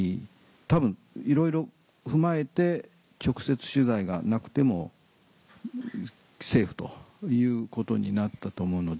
多分いろいろ踏まえて直接取材がなくてもセーフということになったと思うので。